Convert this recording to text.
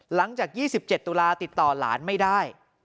หลังจาก๒๗ตุลาติดต่อหลานไม่ได้